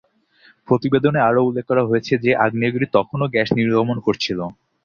প্রতিবেদনে আরও উল্লেখ করা হয়েছে যে আগ্নেয়গিরি তখনও গ্যাস নির্গমন করছিল।